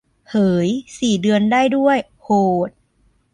เหย สี่เดือนได้ด้วย โหด